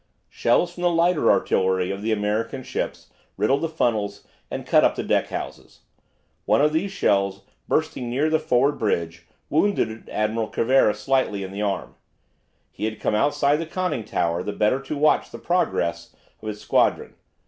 Shells from the lighter artillery of the American ships riddled the funnels, and cut up the deck houses. One of these shells, bursting near the forward bridge, wounded Admiral Cervera slightly in the arm. He had come outside the conning tower the better to watch the progress of his squadron.